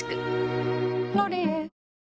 「ロリエ」